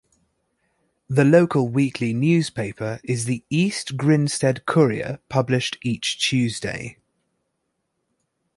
The local weekly newspaper is the "East Grinstead Courier", published each Tuesday.